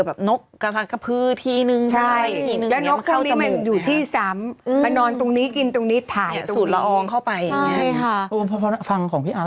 มาไงขี้นกแน่นอน